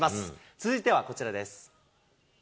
続いてはこちらです。